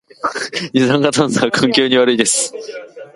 二酸化炭素は環境に悪いです